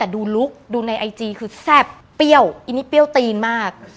ดูลุคดูในไอจีคือแซ่บเปรี้ยวอันนี้เปรี้ยวตีนมาก